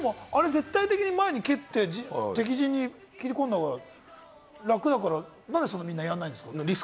絶対的に前に蹴って、敵陣に蹴り込んだほうが楽だから、何でそれをみんなやらないんですか？